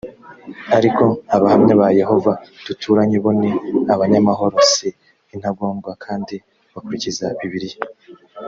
ariko abahamya ba yehova duturanye bo ni abanyamahoro si intagondwa kandi bakurikiza bibiliya